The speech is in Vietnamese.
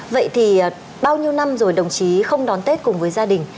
vậy thì bao nhiêu năm rồi đồng chí không đón tết cùng với gia đình